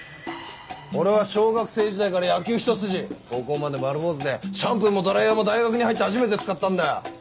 俺は小学生時代から野球ひと筋高校まで丸坊ずでシャンプーもドライヤーも大学に入って初めて使ったんだよ。